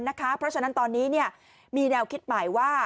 เพราะฉะนั้นตอนนี้มีแนวคิดใหม่ว่า